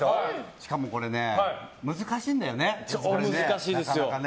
しかも難しいんだよねなかなかね。